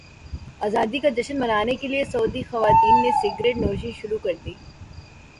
ازادی کا جشن منانے کے لیے سعودی خواتین نے سگریٹ نوشی شروع کردی